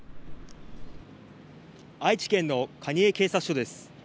愛知県の蟹江警察署です。